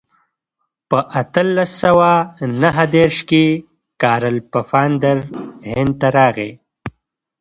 په اتلس سوه نهه دېرش کې کارل پفاندر هند ته راغی.